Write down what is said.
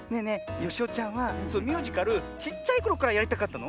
よしおちゃんはミュージカルちっちゃいころからやりたかったの？